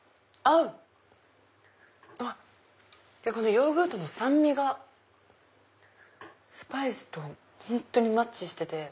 ヨーグルトの酸味がスパイスと本当にマッチしてて。